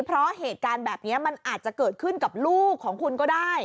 เพราะเหตุการณ์แบบนี้มันอาจจะเกิดขึ้นกับลูกของคุณก็ได้